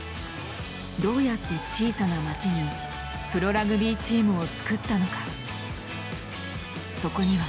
どうやって小さな町にプロラグビーチームをつくったのか。